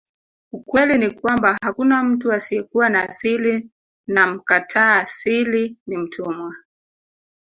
Ukweli ni kwamba hakuna mtu asiyekuwa na asili na mkataa asili ni mtumwa